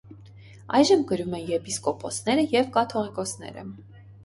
Այժմ կրում են եպիսկոպոսները և կաթողիկոսները։